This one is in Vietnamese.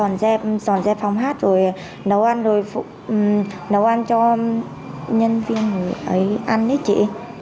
dọn dẹp dọn dẹp phòng hát rồi nấu ăn rồi nấu ăn cho nhân viên ấy ăn đấy chị